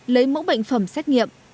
lấy mẫu bệnh phẩm